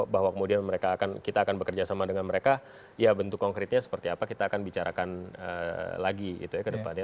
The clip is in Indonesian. bahwa kemudian kita akan bekerjasama dengan mereka ya bentuk konkretnya seperti apa kita akan bicarakan lagi itu ya ke depannya